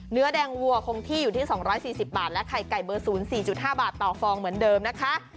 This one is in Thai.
เนื้อแดงวัวคงที่อยู่ที่๒๔๐บาทและไข่ไก่เบอร์๐๔๕บาทต่อฟองเหมือนเดิมนะคะ